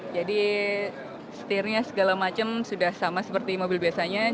jadi stirnya segala macam sudah sama seperti mobil biasanya